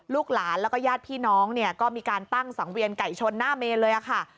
ลูกหลานแล้วก็ญาติพี่น้องเนี่ยก็มีการตั้งสังเวียนไก่ชนหน้าเมนเลยค่ะ